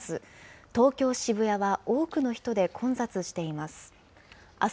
東京・渋谷は多くの人で混雑しています。